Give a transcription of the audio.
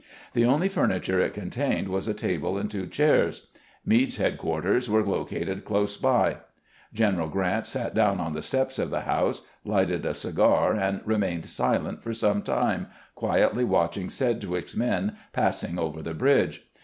The only furniture it contained was a table and two chairs. Meade's headquarters were located close by. General Grant sat down on the steps of the house, lighted 9, cigar, and remained silent for some time, quietly watching Sedgwick's men passing over the bridge.